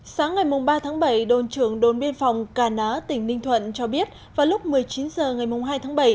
sáng ngày ba tháng bảy đồn trưởng đồn biên phòng cà ná tỉnh ninh thuận cho biết vào lúc một mươi chín h ngày hai tháng bảy